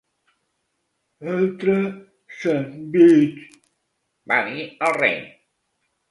"Altre sandvitx!", va dir el rei.